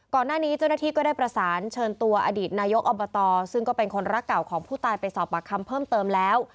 ก่อนหน้านี้เจ้าหน้าที่ก็ได้ประสานเชิญตัวอดีตนายกอบตซึ่งก็เป็นคนรักเก่าของผู้ตายไปสอบปากคำเพิ่มเติมแล้ว